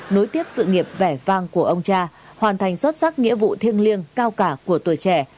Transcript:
nối tiếp sự nghiệp vẻ vang của ông cha hoàn thành xuất sắc nghĩa vụ thiêng liêng cao cả của tuổi trẻ